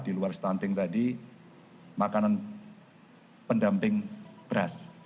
di luar stunting tadi makanan pendamping beras